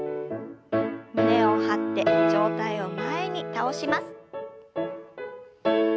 胸を張って上体を前に倒します。